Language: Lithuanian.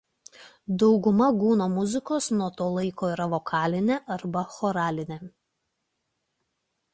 Dauguma Guno muzikos nuo to laiko yra vokalinė arba choralinė.